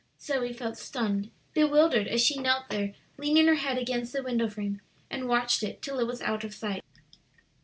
Zoe felt stunned, bewildered, as she knelt there leaning her head against the window frame and watched it till it was out of sight.